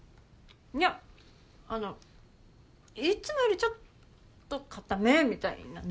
いやあのういつもよりちょっと硬めみたいなね。